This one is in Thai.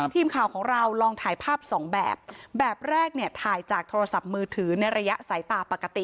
ทีมข่าวของเราลองถ่ายภาพสองแบบแบบแรกเนี่ยถ่ายจากโทรศัพท์มือถือในระยะสายตาปกติ